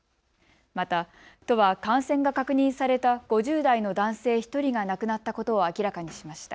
また都は感染が確認された５０代の男性１人が亡くなったことを明らかにしました。